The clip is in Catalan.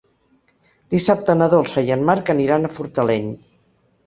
Dissabte na Dolça i en Marc aniran a Fortaleny.